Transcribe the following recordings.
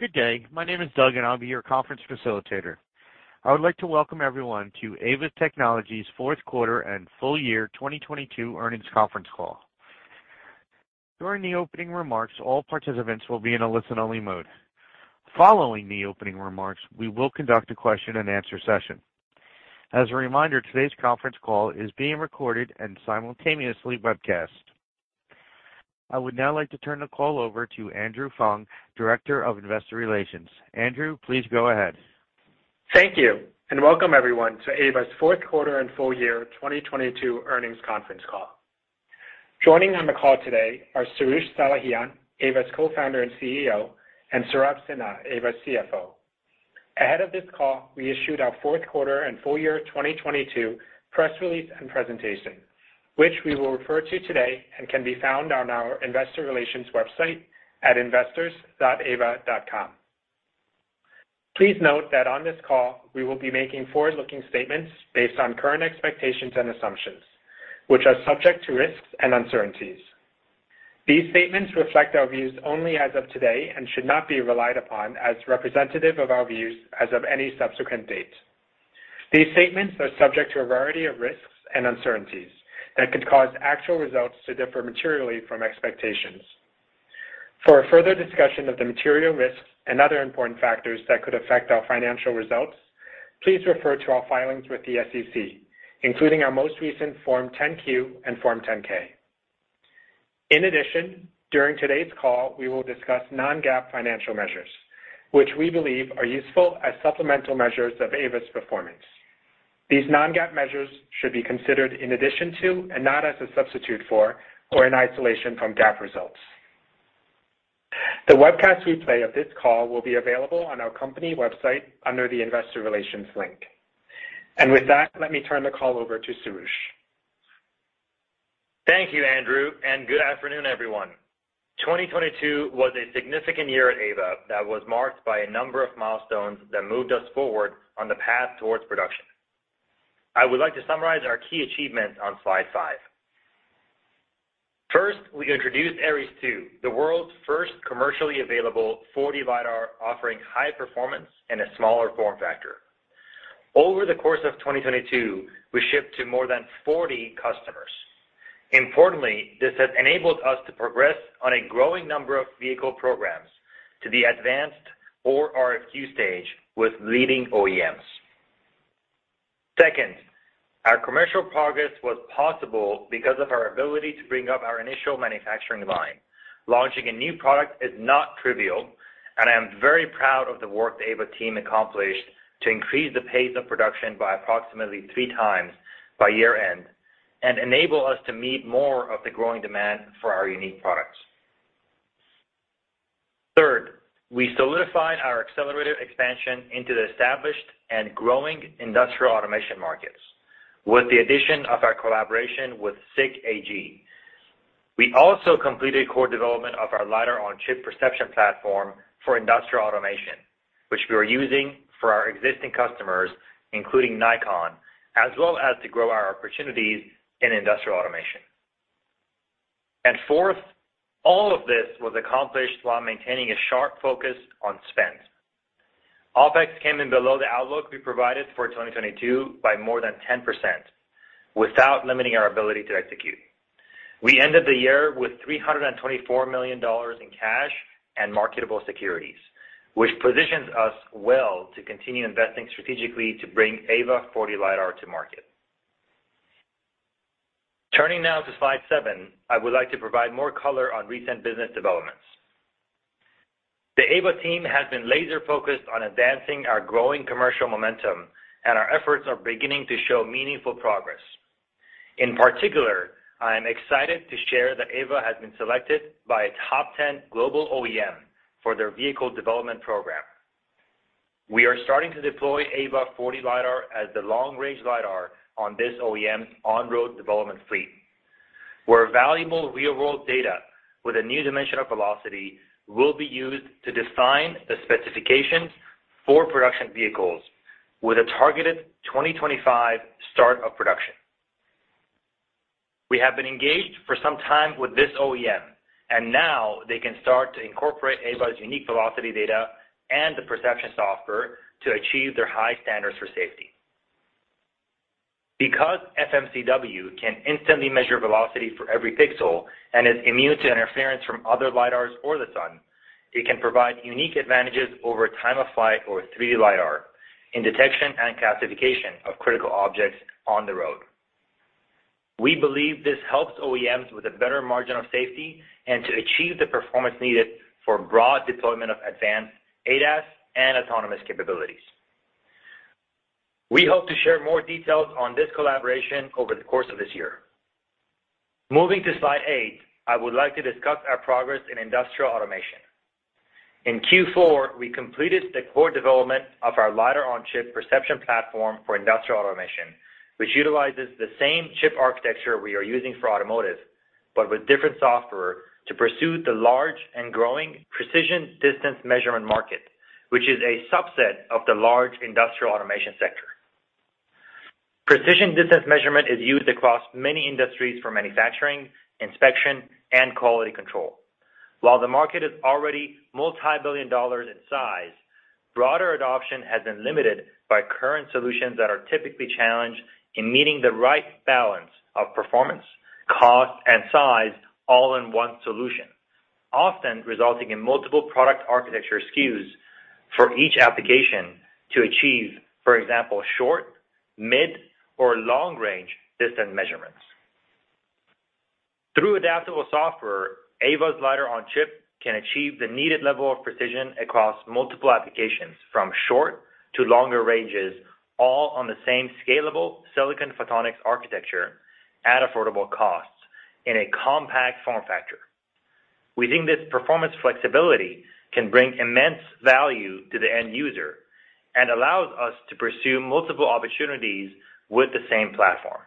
Good day. My name is Doug, and I'll be your conference facilitator. I would like to welcome everyone to Aeva Technologies fourth quarter and full year 2022 earnings conference call. During the opening remarks, all participants will be in a listen-only mode. Following the opening remarks, we will conduct a Q&A session. As a reminder, today's conference call is being recorded and simultaneously webcast. I would now like to turn the call over to Andrew Fung, Director of Investor Relations. Andrew, please go ahead. Thank you. Welcome, everyone, to Aeva's fourth quarter and full year 2022 earnings conference call. Joining on the call today are Soroush Salehian, Aeva's Co-Founder and CEO, and Saurabh Sinha, Aeva's CFO. Ahead of this call, we issued our fourth quarter and full year 2022 press release and presentation, which we will refer to today and can be found on our investor relations website at investors.aeva.com. Please note that on this call, we will be making forward-looking statements based on current expectations and assumptions, which are subject to risks and uncertainties. These statements reflect our views only as of today and should not be relied upon as representative of our views as of any subsequent date. These statements are subject to a variety of risks and uncertainties that could cause actual results to differ materially from expectations. For a further discussion of the material risks and other important factors that could affect our financial results, please refer to our filings with the SEC, including our most recent Form 10-Q and Form 10-K. During today's call, we will discuss non-GAAP financial measures, which we believe are useful as supplemental measures of Aeva's performance. These non-GAAP measures should be considered in addition to and not as a substitute for or in isolation from GAAP results. The webcast replay of this call will be available on our company website under the investor relations link. With that, let me turn the call over to Soroush. Thank you, Andrew, good afternoon, everyone. 2022 was a significant year at Aeva that was marked by a number of milestones that moved us forward on the path towards production. I would like to summarize our key achievements on slide five. First, we introduced Aeries II, the world's first commercially available 4D LiDAR, offering high performance and a smaller form factor. Over the course of 2022, we shipped to more than 40 customers. Importantly, this has enabled us to progress on a growing number of vehicle programs to the advanced or RFQ stage with leading OEMs. Second, our commercial progress was possible because of our ability to bring up our initial manufacturing line. Launching a new product is not trivial, and I am very proud of the work the Aeva team accomplished to increase the pace of production by approximately 3x by year-end and enable us to meet more of the growing demand for our unique products. Third, we solidified our accelerated expansion into the established and growing industrial automation markets with the addition of our collaboration with SICK AG. We also completed core development of our LiDAR-on-Chip perception platform for industrial automation, which we are using for our existing customers, including Nikon, as well as to grow our opportunities in industrial automation. Fourth, all of this was accomplished while maintaining a sharp focus on spend. OpEx came in below the outlook we provided for 2022 by more than 10% without limiting our ability to execute. We ended the year with $324 million in cash and marketable securities, which positions us well to continue investing strategically to bring Aeva 4D LiDAR to market. Turning now to slide seven, I would like to provide more color on recent business developments. The Aeva team has been laser-focused on advancing our growing commercial momentum, and our efforts are beginning to show meaningful progress. In particular, I am excited to share that Aeva has been selected by a top 10 global OEM for their vehicle development program. We are starting to deploy Aeva 4D LiDAR as the long-range lidar on this OEM on-road development fleet, where valuable real-world data with a new dimension of velocity will be used to design the specifications for production vehicles with a targeted 2025 start of production. We have been engaged for some time with this OEM, and now they can start to incorporate Aeva's unique velocity data and the perception software to achieve their high standards for safety. Because FMCW can instantly measure velocity for every pixel and is immune to interference from other LiDARs or the sun, it can provide unique advantages over Time-of-Flight or 3D LiDAR in detection and classification of critical objects on the road. We believe this helps OEMs with a better margin of safety and to achieve the performance needed for broad deployment of advanced ADAS and autonomous capabilities. We hope to share more details on this collaboration over the course of this year. Moving to slide eight, I would like to discuss our progress in industrial automation. In Q4, we completed the core development of our LiDAR-on-Chip perception platform for industrial automation, which utilizes the same chip architecture we are using for automotive but with different software to pursue the large and growing precision distance measurement market, which is a subset of the large industrial automation sector. Precision distance measurement is used across many industries for manufacturing, inspection, and quality control. While the market is already multi-billion dollars in size, broader adoption has been limited by current solutions that are typically challenged in meeting the right balance of performance, cost, and size all in one solution, often resulting in multiple product architecture SKUs for each application to achieve, for example, short, mid, or long range distance measurements. Through adaptable software, Aeva's LiDAR-on-Chip can achieve the needed level of precision across multiple applications, from short to longer ranges, all on the same scalable silicon photonics architecture at affordable costs in a compact form factor. We think this performance flexibility can bring immense value to the end user and allows us to pursue multiple opportunities with the same platform.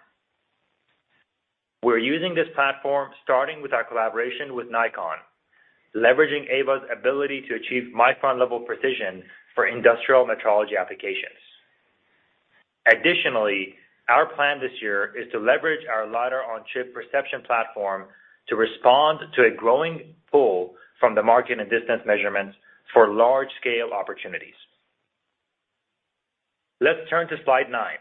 We're using this platform starting with our collaboration with Nikon, leveraging Aeva's ability to achieve micron-level precision for industrial metrology applications. Additionally, our plan this year is to leverage our LiDAR-on-Chip perception platform to respond to a growing pool from the market and distance measurements for large-scale opportunities. Let's turn to slide nine.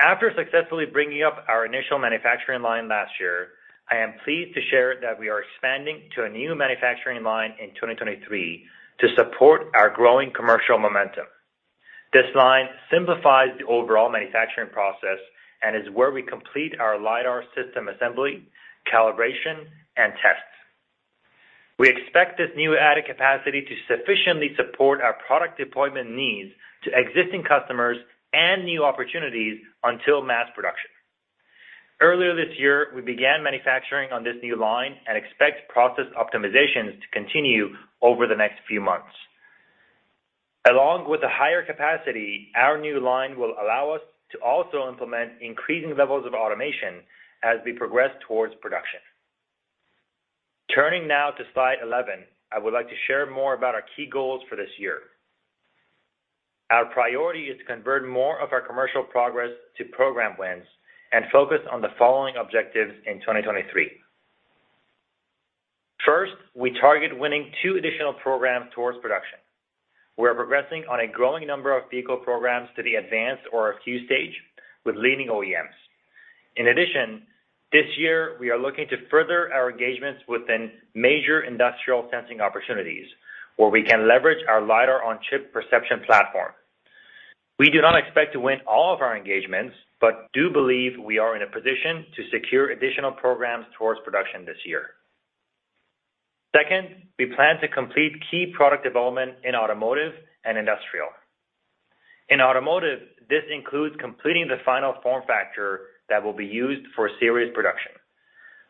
After successfully bringing up our initial manufacturing line last year, I am pleased to share that we are expanding to a new manufacturing line in 2023 to support our growing commercial momentum. This line simplifies the overall manufacturing process and is where we complete our LiDAR system assembly, calibration, and tests. We expect this new added capacity to sufficiently support our product deployment needs to existing customers and new opportunities until mass production. Earlier this year, we began manufacturing on this new line and expect process optimizations to continue over the next few months. Along with the higher capacity, our new line will allow us to also implement increasing levels of automation as we progress towards production. Turning now to slide 11, I would like to share more about our key goals for this year. Our priority is to convert more of our commercial progress to program wins and focus on the following objectives in 2023. First, we target winning two additional programs towards production. We're progressing on a growing number of vehicle programs to the advanced or RFQ stage with leading OEMs. This year we are looking to further our engagements within major industrial sensing opportunities where we can leverage our LiDAR-on-Chip perception platform. We do not expect to win all of our engagements, but do believe we are in a position to secure additional programs towards production this year. We plan to complete key product development in automotive and industrial. In automotive, this includes completing the final form factor that will be used for serious production.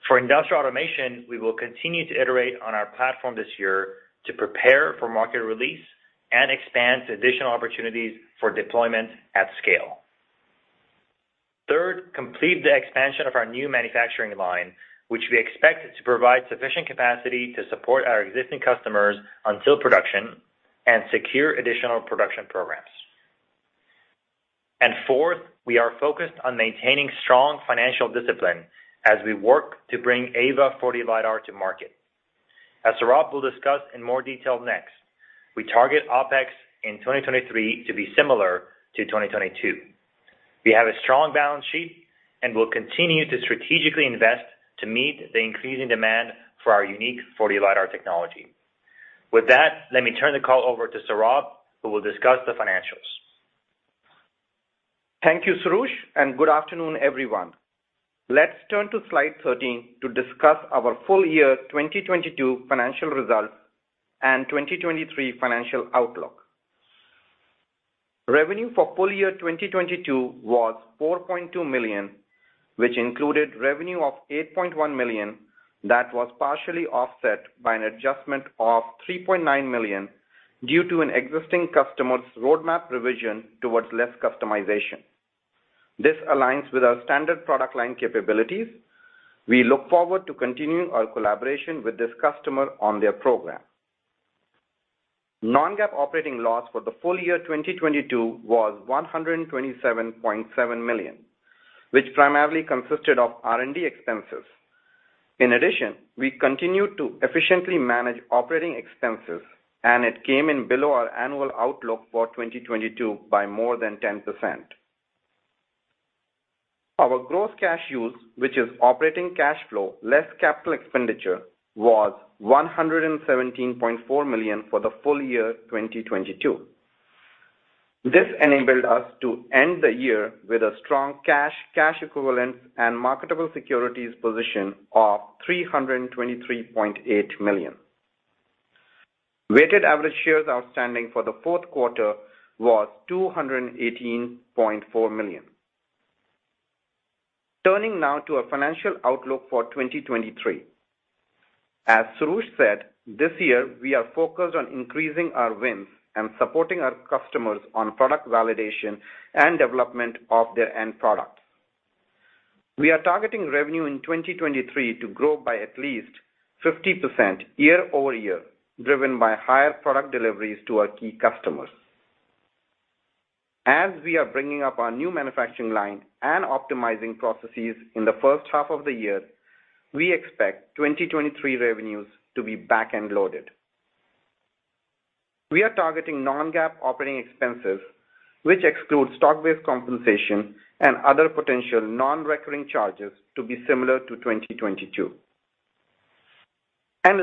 For industrial automation, we will continue to iterate on our platform this year to prepare for market release and expand to additional opportunities for deployment at scale. Third, complete the expansion of our new manufacturing line, which we expect to provide sufficient capacity to support our existing customers until production and secure additional production programs. Fourth, we are focused on maintaining strong financial discipline as we work to bring Aeva 4D LiDAR to market. As Saurabh will discuss in more detail next, we target OpEx in 2023 to be similar to 2022. We have a strong balance sheet and will continue to strategically invest to meet the increasing demand for our unique 4D LiDAR technology. With that, let me turn the call over to Saurabh, who will discuss the financials. Thank you, Soroush. Good afternoon, everyone. Let's turn to slide 13 to discuss our full year 2022 financial results and 2023 financial outlook. Revenue for full year 2022 was $4.2 million, which included revenue of $8.1 million that was partially offset by an adjustment of $3.9 million due to an existing customer's roadmap revision towards less customization. This aligns with our standard product line capabilities. We look forward to continuing our collaboration with this customer on their program. Non-GAAP operating loss for the full year 2022 was $127.7 million, which primarily consisted of R&D expenses. In addition, we continued to efficiently manage operating expenses, and it came in below our annual outlook for 2022 by more than 10%. Our gross cash use, which is operating cash flow less capital expenditure, was $117.4 million for the full year 2022. This enabled us to end the year with a strong cash equivalent, and marketable securities position of $323.8 million. Weighted average shares outstanding for the fourth quarter was $218.4 million. Turning now to our financial outlook for 2023. As Soroush said, this year we are focused on increasing our wins and supporting our customers on product validation and development of their end products. We are targeting revenue in 2023 to grow by at least 50% year-over-year, driven by higher product deliveries to our key customers. As we are bringing up our new manufacturing line and optimizing processes in the first half of the year, we expect 2023 revenues to be back-end loaded. We are targeting non-GAAP operating expenses, which excludes stock-based compensation and other potential non-recurring charges, to be similar to 2022.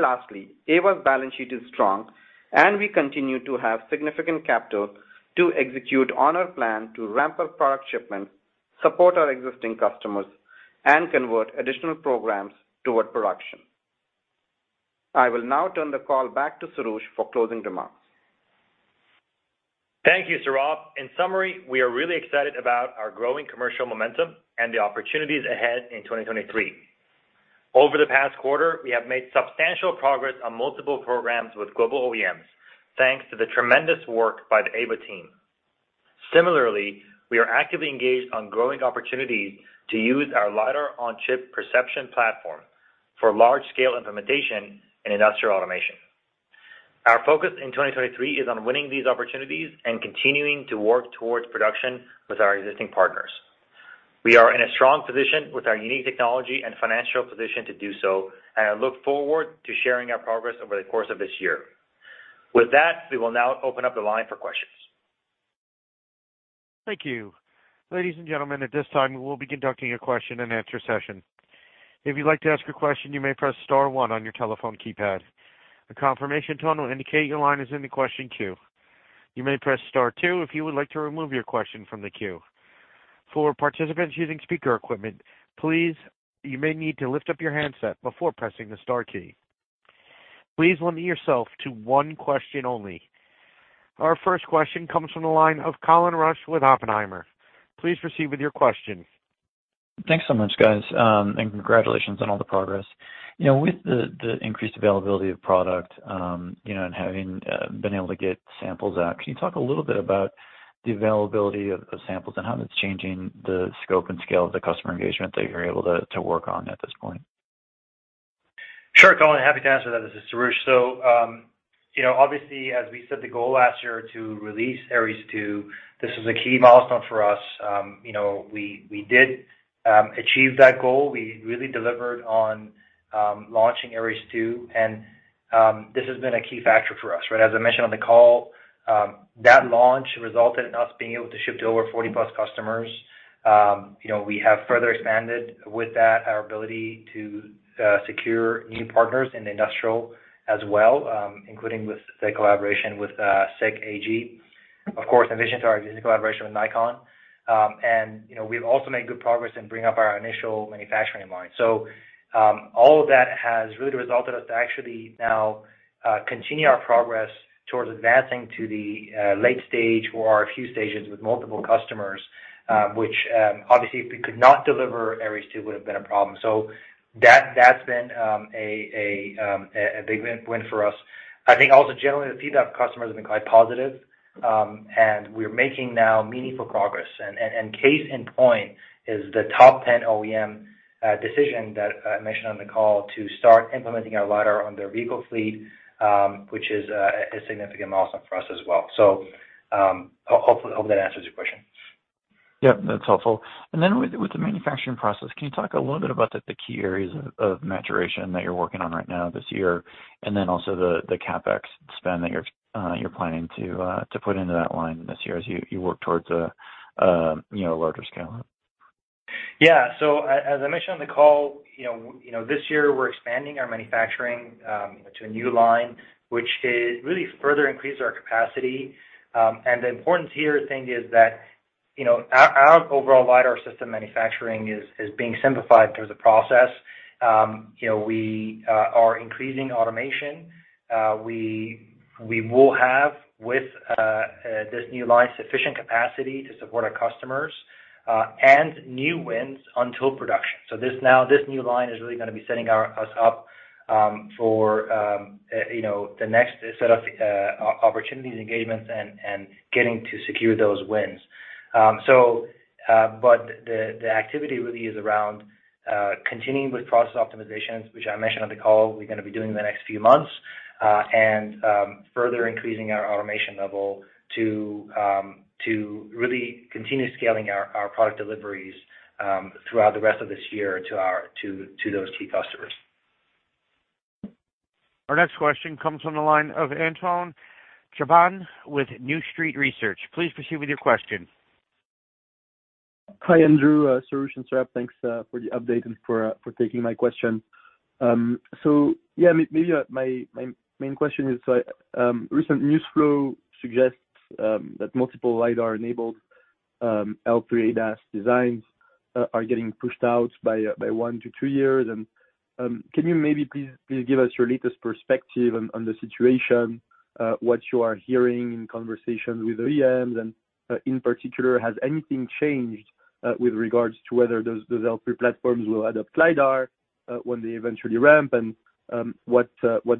Lastly, Aeva's balance sheet is strong, and we continue to have significant capital to execute on our plan to ramp up product shipments, support our existing customers, and convert additional programs toward production. I will now turn the call back to Soroush for closing remarks. Thank you, Saurabh. In summary, we are really excited about our growing commercial momentum and the opportunities ahead in 2023. Over the past quarter, we have made substantial progress on multiple programs with global OEMs, thanks to the tremendous work by the Aeva team. Similarly, we are actively engaged on growing opportunities to use our LiDAR-on-Chip perception platform for large-scale implementation in industrial automation. Our focus in 2023 is on winning these opportunities and continuing to work towards production with our existing partners. We are in a strong position with our unique technology and financial position to do so, and I look forward to sharing our progress over the course of this year. With that, we will now open up the line for questions. Thank you. Ladies and gentlemen, at this time, we will be conducting a Q&A session. If you'd like to ask a question, you may press star one on your telephone keypad. A confirmation tone will indicate your line is in the question queue. You may press star two if you would like to remove your question from the queue. For participants using speaker equipment, please, you may need to lift up your handset before pressing the star key. Please limit yourself to one question only. Our first question comes from the line of Colin Rusch with Oppenheimer. Please proceed with your question. Thanks so much, guys. Congratulations on all the progress. You know, with the increased availability of product, you know, and having been able to get samples out, can you talk a little bit about the availability of samples and how that's changing the scope and scale of the customer engagement that you're able to work on at this point? Sure, Colin. Happy to answer that. This is Soroush. You know, obviously, as we set the goal last year to release Aeries II, this is a key milestone for us. You know, we did achieve that goal. We really delivered on launching Aeries II, and this has been a key factor for us, right? As I mentioned on the call, that launch resulted in us being able to ship to over 40+ customers. You know, we have further expanded with that, our ability to secure new partners in industrial as well, including with, say, collaboration with SICK AG, of course, in addition to our existing collaboration with Nikon. You know, we've also made good progress in bringing up our initial manufacturing line. All of that has really resulted us to actually now continue our progress towards advancing to the late stage or our few stages with multiple customers, which obviously, if we could not deliver Aeries II, would have been a problem. That's been a big win for us. I think also generally, the feedback from customers has been quite positive, and we're making now meaningful progress. Case in point is the top 10 OEM decision that I mentioned on the call to start implementing our LiDAR on their vehicle fleet, which is a significant milestone for us as well. Hope that answers your question. Yep, that's helpful. With the manufacturing process, can you talk a little bit about the key areas of maturation that you're working on right now this year, also the CapEx spend that you're planning to put into that line this year as you work towards a, you know, larger scale-up? Yeah. So as I mentioned on the call, you know, you know, this year we're expanding our manufacturing to a new line, which is really further increase our capacity. The importance here thing is that, you know, our overall LiDAR system manufacturing is being simplified through the process. You know, we are increasing automation. We will have, with this new line, sufficient capacity to support our customers and new wins until production. This new line is really gonna be setting us up for, you know, the next set of opportunities and engagements and getting to secure those wins. The activity really is around continuing with process optimizations, which I mentioned on the call we're gonna be doing in the next few months, and further increasing our automation level to really continue scaling our product deliveries throughout the rest of this year to those key customers. Our next question comes from the line of Antoine Chkaiban with New Street Research. Please proceed with your question. Hi, Andrew, Soroush, and Saurabh. Thanks for the update and for taking my question. Yeah, maybe my main question is, recent news flow suggests that multiple LiDAR-enabled L3 ADAS designs are getting pushed out by one year-two years. Can you maybe please give us your latest perspective on the situation, what you are hearing in conversations with OEMs? In particular, has anything changed with regards to whether those L3 platforms will adopt LiDAR when they eventually ramp? What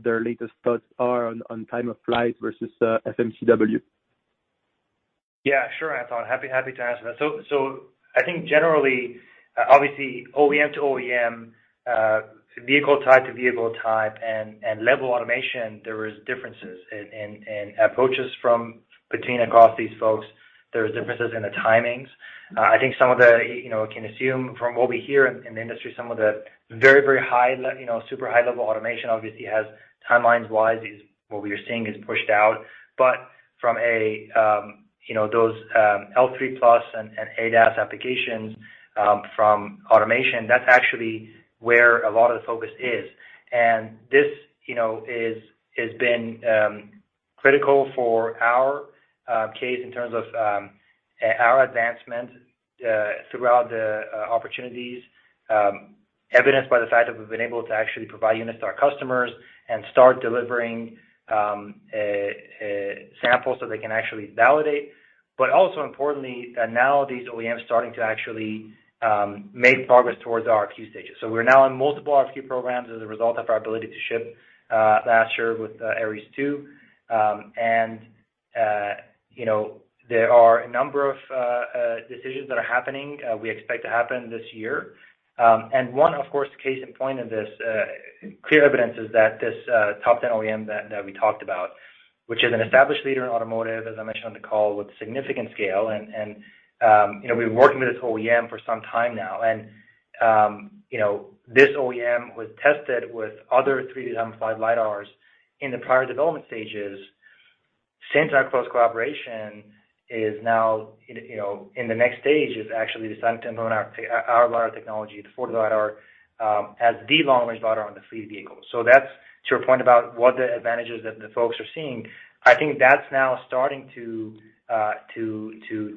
their latest thoughts are on Time-of-Flight versus FMCW? Yeah, sure, Anton. Happy to ask that. I think generally, obviously OEM-to-OEM, vehicle type to vehicle type and level automation, there is differences in approaches from between across these folks. There's differences in the timings. I think some of the, you know, can assume from what we hear in the industry, some of the very, very high level, you know, super high level automation obviously has timelines wise is what we are seeing is pushed out. From a, you know, those L3 plus and ADAS applications from automation, that's actually where a lot of the focus is. This, you know, is, has been critical for our case in terms of our advancement throughout the opportunities evidenced by the fact that we've been able to actually provide units to our customers and start delivering samples so they can actually validate. Also importantly, that now these OEMs are starting to actually make progress towards RFQ stages. We're now in multiple RFQ programs as a result of our ability to ship last year with Aeries II. You know, there are a number of decisions that are happening, we expect to happen this year. One, of course, case in point of this clear evidence is that this top 10 OEM that we talked about. Which is an established leader in automotive, as I mentioned on the call, with significant scale. You know, we've been working with this OEM for some time now. You know, this OEM was tested with other 3D time-of-flight LiDARs in the prior development stages. Since our close collaboration is now in, you know, in the next stage, is actually deciding to implement our LiDAR technology, the 4D LiDAR, as the long-range LiDAR on the fleet vehicles. That's to your point about what the advantages that the folks are seeing. I think that's now starting to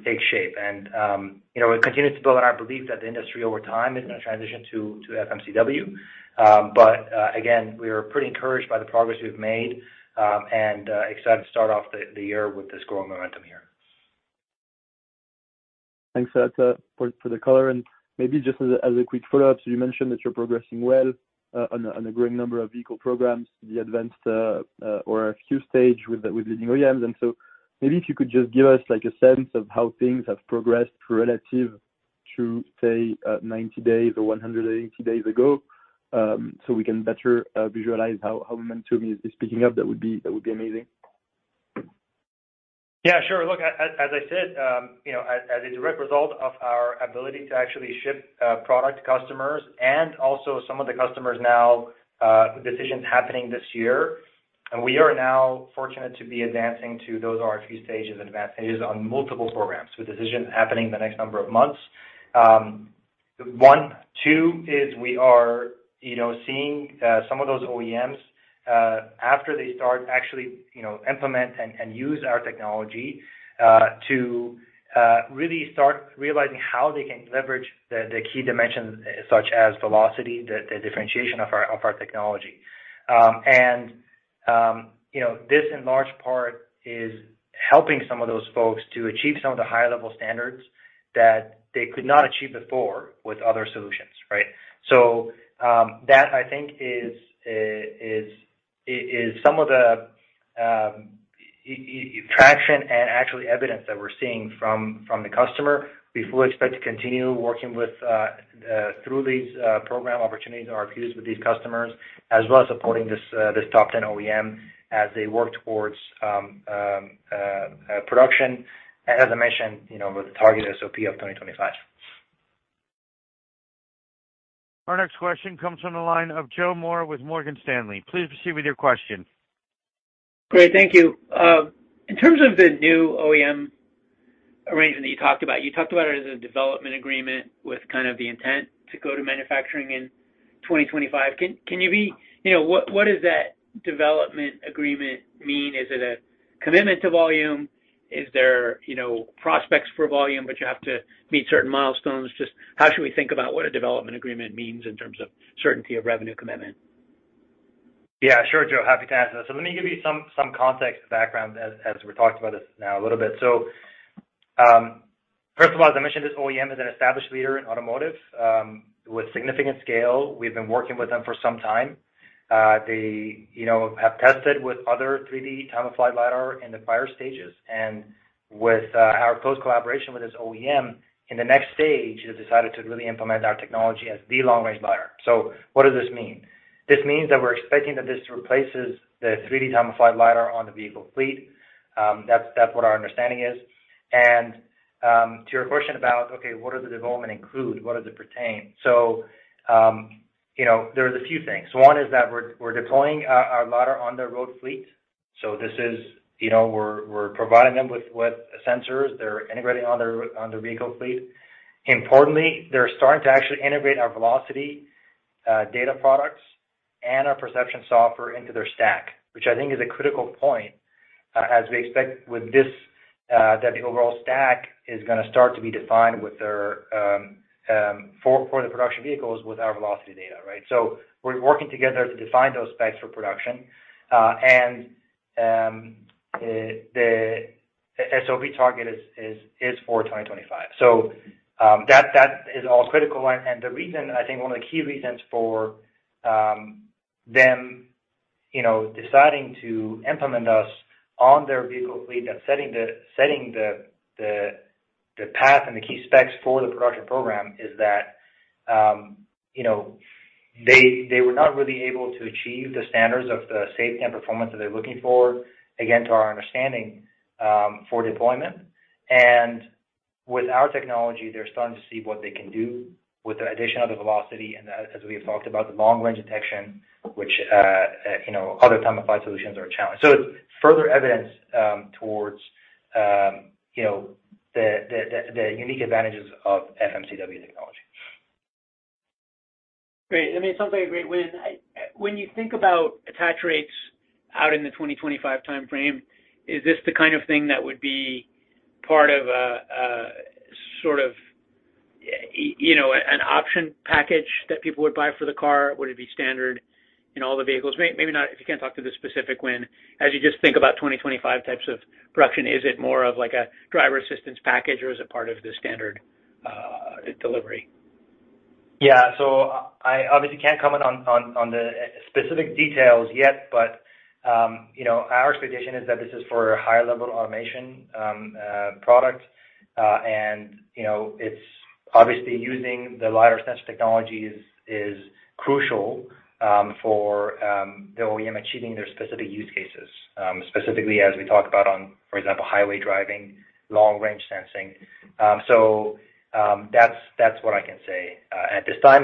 take shape. You know, it continues to build on our belief that the industry over time is gonna transition to FMCW. Again, we are pretty encouraged by the progress we've made, and excited to start off the year with this growing momentum here. Thanks for that, for the color. Maybe just as a, as a quick follow-up. You mentioned that you're progressing well on a growing number of vehicle programs, the advanced, or a few stage with the leading OEMs. Maybe if you could just give us like a sense of how things have progressed relative to, say, 90 days or 180 days ago, so we can better visualize how momentum is picking up. That would be, that would be amazing. Yeah, sure. Look, as I said, you know, as a direct result of our ability to actually ship product to customers and also some of the customers now, decisions happening this year. We are now fortunate to be advancing to those RFQ stages and advanced stages on multiple programs with decisions happening in the next number of months. One. Two, is we are, you know, seeing some of those OEMs after they start actually, you know, implement and use our technology to really start realizing how they can leverage the key dimensions such as velocity, the differentiation of our technology. You know, this in large part is helping some of those folks to achieve some of the high-level standards that they could not achieve before with other solutions, right? That I think is some of the traction and actually evidence that we're seeing from the customer. We fully expect to continue working through these program opportunities and RFQs with these customers, as well as supporting this top 10 OEM as they work towards production. As I mentioned, you know, with the target SOP of 2025. Our next question comes from the line of Joe Moore with Morgan Stanley. Please proceed with your question. Great. Thank you. In terms of the new OEM arrangement that you talked about, you talked about it as a development agreement with kind of the intent to go to manufacturing in 2025. You know, what does that development agreement mean? Is it a commitment to volume? Is there, you know, prospects for volume, but you have to meet certain milestones? Just how should we think about what a development agreement means in terms of certainty of revenue commitment? Yeah. Sure, Joe. Happy to answer that. Let me give you some context background as we talked about this now a little bit. First of all, as I mentioned, this OEM is an established leader in automotive with significant scale. We've been working with them for some time. They, you know, have tested with other 3D time-of-flight LiDAR in the prior stages. With our close collaboration with this OEM, in the next stage, they decided to really implement our technology as the long-range LiDAR. What does this mean? This means that we're expecting that this replaces the 3D time-of-flight LiDAR on the vehicle fleet. That's what our understanding is. To your question about, okay, what does the development include? What does it pertain? You know, there's a few things. One is that we're deploying our LiDAR on their road fleet. This is, you know, we're providing them with sensors they're integrating on their vehicle fleet. Importantly, they're starting to actually integrate our velocity data products and our perception software into their stack. Which I think is a critical point as we expect with this that the overall stack is gonna start to be defined with their for the production vehicles with our velocity data, right. We're working together to define those specs for production. The SOP target is for 2025. That is all critical line. The reason, I think one of the key reasons for, you know, deciding to implement us on their vehicle fleet, that setting the path and the key specs for the production program is that, you know, they were not really able to achieve the standards of the safety and performance that they're looking for, again, to our understanding, for deployment. With our technology, they're starting to see what they can do with the addition of the velocity. As we have talked about the long-range detection, which, you know, other Time-of-Flight solutions are a challenge. It's further evidence towards, you know, the unique advantages of FMCW technology. Great. I mean, it sounds like a great win. When you think about attach rates out in the 2025 time frame, is this the kind of thing that would be part of a sort of, you know, an option package that people would buy for the car? Would it be standard in all the vehicles? Maybe not, if you can't talk to the specific win. As you just think about 2025 types of production, is it more of like a driver assistance package or is it part of the standard delivery? Yeah. I obviously can't comment on the specific details yet. You know, our expectation is that this is for a higher level automation product. You know, it's obviously using the LiDAR sensor technology is crucial for the OEM achieving their specific use cases, specifically as we talk about on, for example, highway driving, long-range sensing. That's what I can say at this time.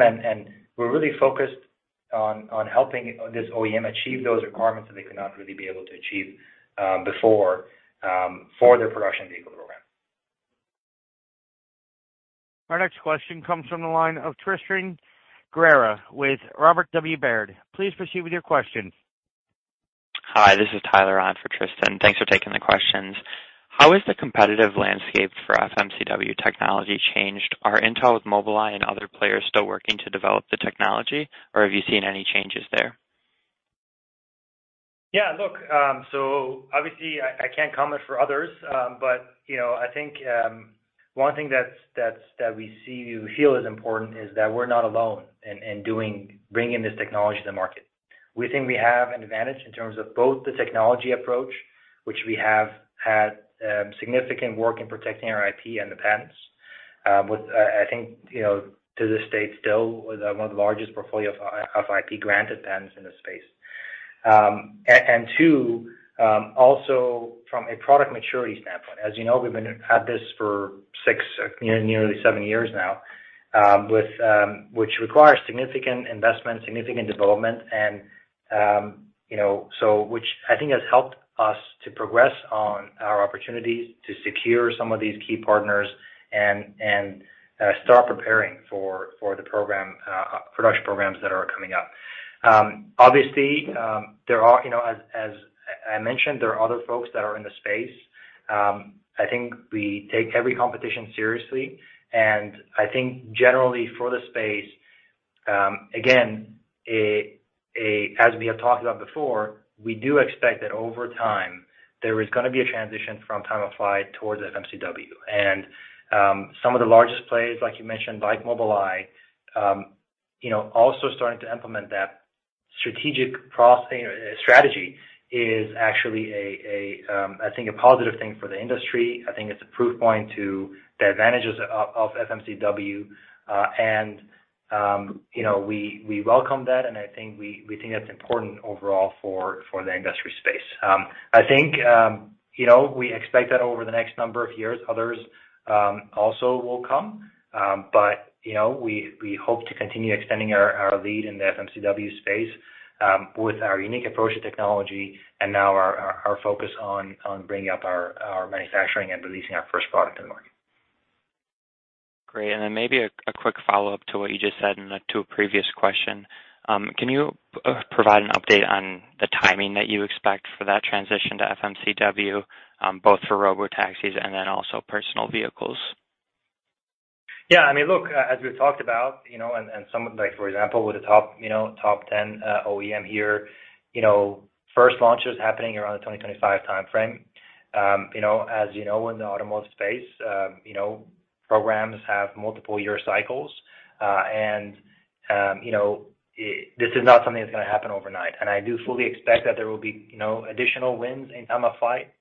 We're really focused on helping this OEM achieve those requirements that they could not really be able to achieve before for their production vehicle program. Our next question comes from the line of Tristan Gerra with Robert W. Baird. Please proceed with your question. Hi, this is Tyler on for Tristan. Thanks for taking the questions. How has the competitive landscape for FMCW technology changed? Are Intel with Mobileye and other players still working to develop the technology, or have you seen any changes there? Yeah. Look, obviously I can't comment for others. You know, I think one thing that we feel is important is that we're not alone in bringing this technology to the market. We think we have an advantage in terms of both the technology approach, which we have had significant work in protecting our IP and the patents, with, I think, you know, to this date, still one of the largest portfolio of IP granted patents in this space. And two, also from a product maturity standpoint. As you know, we've been at this for six, nearly seven years now, with which requires significant investment, significant development and, you know, so which I think has helped us to progress on our opportunities to secure some of these key partners and start preparing for the program, production programs that are coming up. Obviously, there are, you know, as I mentioned, there are other folks that are in the space. I think we take every competition seriously, and I think generally for the space, again, as we have talked about before, we do expect that over time there is gonna be a transition from Time-of-Flight towards FMCW. Some of the largest players, like you mentioned, like Mobileye, you know, also starting to implement that strategic strategy is actually I think a positive thing for the industry. I think it's a proof point to the advantages of FMCW. You know, we welcome that, and I think we think that's important overall for the industry space. I think, you know, we expect that over the next number of years, others also will come. You know, we hope to continue extending our lead in the FMCW space, with our unique approach to technology and now our focus on bringing up our manufacturing and releasing our first product in the market. Great. Maybe a quick follow-up to what you just said and to a previous question. Can you provide an update on the timing that you expect for that transition to FMCW, both for robotaxis and then also personal vehicles? Yeah. I mean, look, as we've talked about, you know, and some, like, for example, with the top, you know, top 10 OEM here, you know, first launch was happening around the 2025 time frame. You know, as you know, in the automotive space, you know, programs have multiple year cycles. You know, this is not something that's gonna happen overnight. I do fully expect that there will be, you know, additional wins in Time-of-Flight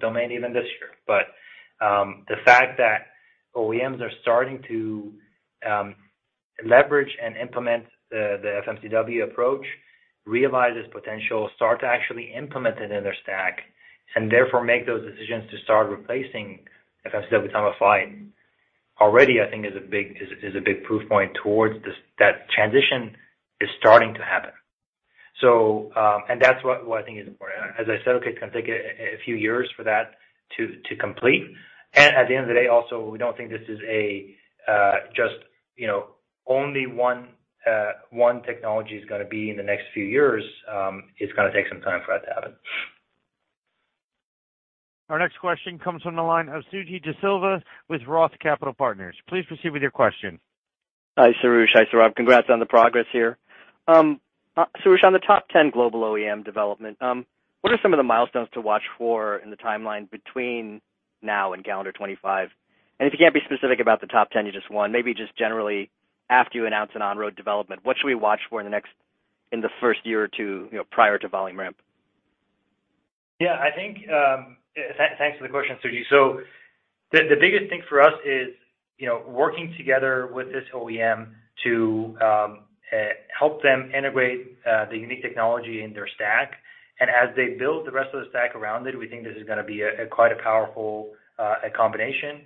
domain even this year. The fact that OEMs are starting to leverage and implement the FMCW approach, realize its potential, start to actually implement it in their stack, and therefore make those decisions to start replacing FMCW with Time-of-Flight already, I think is a big proof point towards this, that transition is starting to happen. And that's what I think is important. As I said, look, it's gonna take a few years for that to complete. At the end of the day, also, we don't think this is just, you know, only one technology is gonna be in the next few years. It's gonna take some time for that to happen. Our next question comes from the line of Suji Desilva with ROTH Capital Partners. Please proceed with your question. Hi, Soroush. Hi, Saurabh. Congrats on the progress here. Soroush, on the top 10 global OEM development, what are some of the milestones to watch for in the timeline between now and calendar 2025? If you can't be specific about the top 10 you just won, maybe just generally after you announce an on-road development, what should we watch for in the first year or two, you know, prior to volume ramp? Yeah, I think, thanks for the question, Suji. The biggest thing for us is, you know, working together with this OEM to help them integrate the unique technology in their stack. As they build the rest of the stack around it, we think this is gonna be quite a powerful combination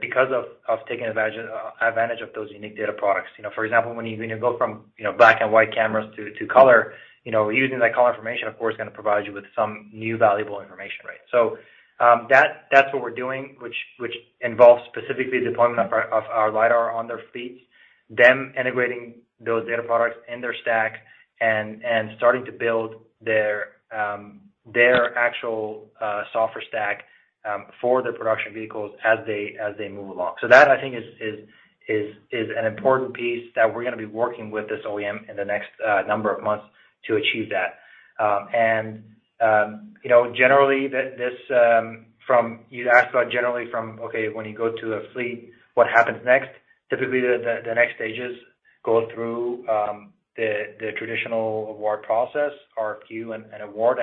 because of taking advantage of those unique data products. You know, for example, when you, when you go from, you know, black and white cameras to color, you know, using that color information, of course, is gonna provide you with some new valuable information, right? That's what we're doing, which involves specifically deployment of our LiDAR on their fleets, them integrating those data products in their stack and starting to build their actual software stack for the production vehicles as they move along. That, I think is an important piece that we're gonna be working with this OEM in the next number of months to achieve that. And, you know, generally this. You'd asked about generally from, okay, when you go to a fleet, what happens next? Typically, the next stages go through the traditional award process, RFQ and award.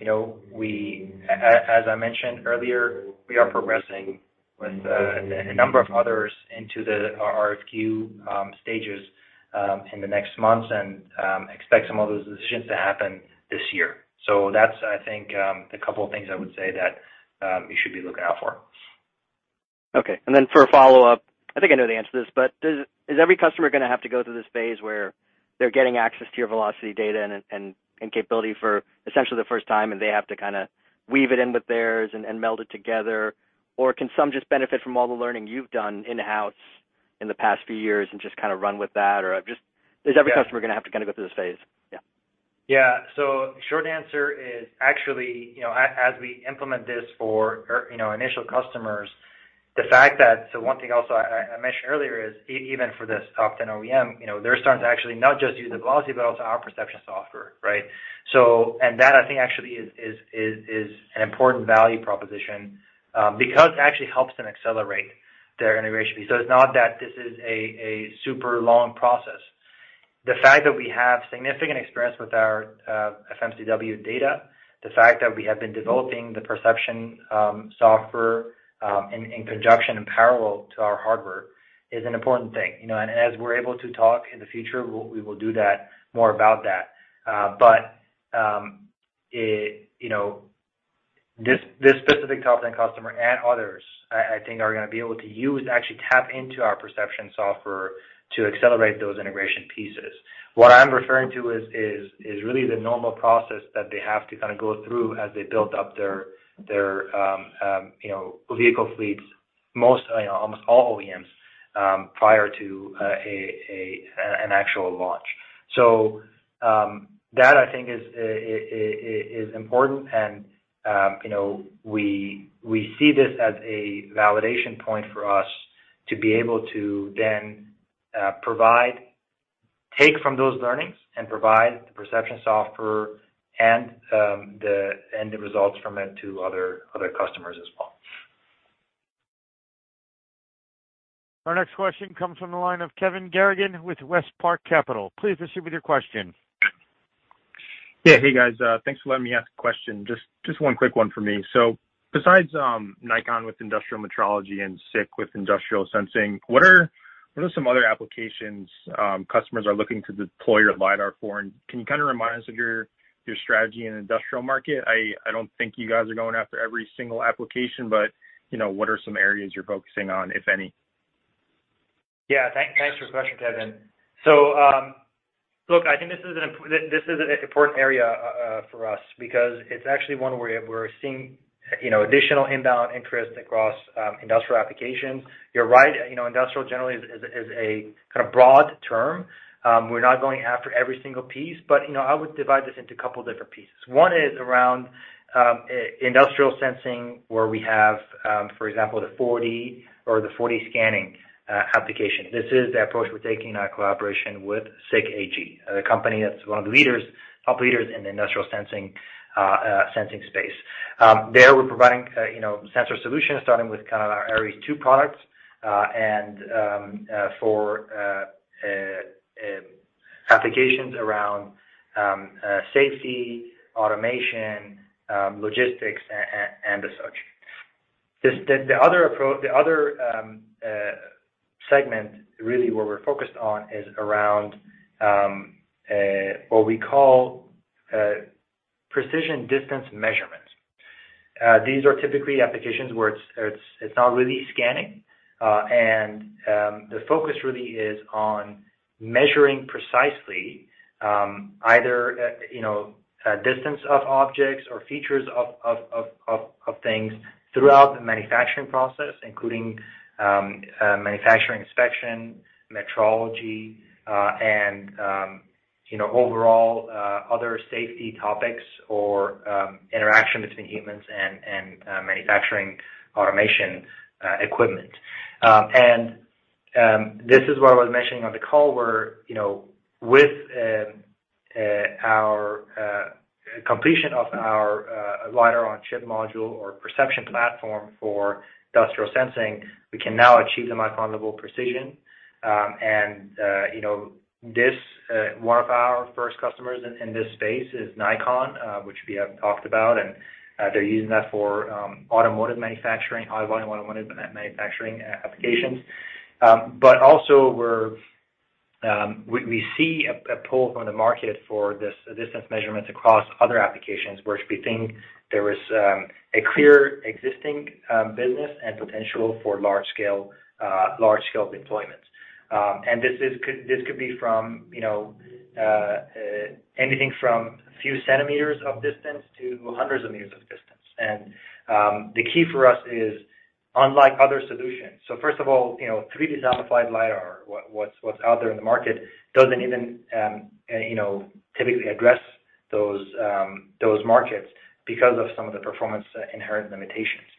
you know, we as I mentioned earlier, we are progressing with a number of others into the RFQ stages in the next months and expect some of those decisions to happen this year. That's, I think, a couple of things I would say that you should be looking out for. Okay. For a follow-up, I think I know the answer to this, Is every customer going to have to go through this phase where they're getting access to your velocity data and capability for essentially the first time, and they have to kind of weave it in with theirs and meld it together? Can some just benefit from all the learning you've done in-house in the past few years and just kind of run with that? Yeah. Is every customer gonna have to kinda go through this phase? Yeah. Yeah. Short answer is actually, you know, as we implement this for, you know, initial customers, the fact that... One thing also I mentioned earlier is even for this top 10 OEM, you know, they're starting to actually not just use the velocity, but also our perception software, right? That, I think, actually is an important value proposition, because it actually helps them accelerate their integration. It's not that this is a super long process. The fact that we have significant experience with our FMCW data, the fact that we have been developing the perception software, in conjunction and parallel to our hardware is an important thing, you know. As we're able to talk in the future, we will do that more about that. It, you know, this specific top 10 customer and others, I think are gonna be able to use, actually tap into our perception software to accelerate those integration pieces. What I'm referring to is really the normal process that they have to kinda go through as they build up their, you know, vehicle fleets, most, you know, almost all OEMs prior to an actual launch. That, I think, is important. You know, we see this as a validation point for us to be able to then take from those learnings and provide the perception software and the end results from it to other customers as well. Our next question comes from the line of Kevin Garrigan with WestPark Capital. Please proceed with your question. Yeah. Hey, guys, thanks for letting me ask a question. Just one quick one for me. Besides, Nikon with industrial metrology and SICK with industrial sensing, what are some other applications customers are looking to deploy your LiDAR for? Can you kinda remind us of your strategy in industrial market? I don't think you guys are going after every single application, but, you know, what are some areas you're focusing on, if any? Yeah. Thanks for the question, Kevin. look, I think this is an important area for us because it's actually one where we're seeing, you know, additional inbound interest across industrial applications. You're right. You know, industrial generally is a kind of broad term. We're not going after every single piece but, you know, I would divide this into a couple different pieces. One is around industrial sensing, where we have, for example, the 4D or the 4D scanning application. This is the approach we're taking in our collaboration with SICK AG, the company that's one of the leaders, top leaders in the industrial sensing space. There we're providing, you know, sensor solutions starting with kind of our Aeries II products, and for applications around safety, automation, logistics, and the such. The other approach, the other segment really where we're focused on is around what we call precision distance measurements. These are typically applications where it's not really scanning. The focus really is on measuring precisely, either, you know, distance of objects or features of things throughout the manufacturing process, including manufacturing inspection, metrology, and, you know, overall, other safety topics or interaction between humans and manufacturing automation equipment. This is where I was mentioning on the call where, you know, with The completion of our LiDAR-on-Chip module or perception platform for industrial sensing, we can now achieve the micron-level precision. You know, this one of our first customers in this space is Nikon, which we have talked about, and they're using that for automotive manufacturing, high volume one manufacturing applications. Also we see a pull from the market for this distance measurements across other applications where we think there is a clear existing business and potential for large-scale deployment. This could be from, you know, anything from a few centimeters of distance to hundreds of meters of distance. The key for us is, unlike other solutions... First of all, you know, three solid-state LiDAR, what's out there in the market doesn't even, you know, typically address those markets because of some of the performance inherent limitations.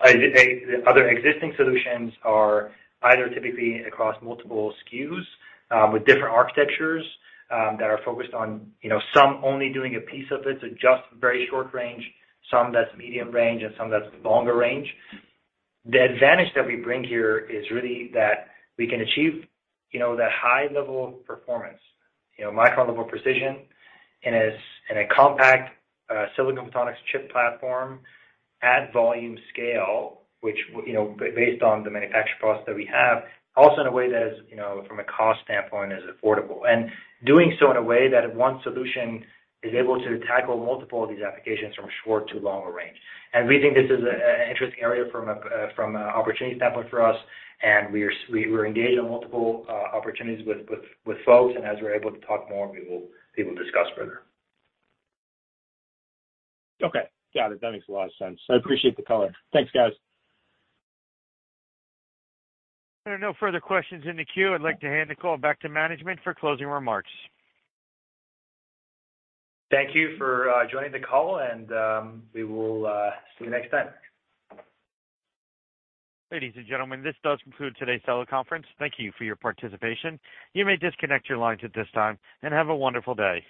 Other existing solutions are either typically across multiple SKUs, with different architectures, that are focused on, you know, some only doing a piece of it, so just very short range, some that's medium range and some that's longer range. The advantage that we bring here is really that we can achieve, you know, that high level of performance, you know, micron level precision in a in a compact silicon photonics chip platform at volume scale, which you know, based on the manufacturing process that we have, also in a way that is, you know, from a cost standpoint, is affordable. Doing so in a way that one solution is able to tackle multiple of these applications from short to longer range. We think this is a an interesting area from a from a opportunity standpoint for us. We are we're engaged in multiple opportunities with folks, and as we're able to talk more, we will be able to discuss further. Okay. Got it. That makes a lot of sense. I appreciate the color. Thanks, guys. There are no further questions in the queue. I'd like to hand the call back to management for closing remarks. Thank you for joining the call and we will see you next time. Ladies and gentlemen, this does conclude today's teleconference. Thank you for your participation. You may disconnect your lines at this time, and have a wonderful day.